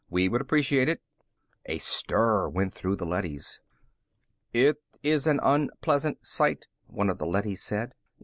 We would appreciate it." A stir went through the leadys. "It is an unpleasant sight," one of the leadys said.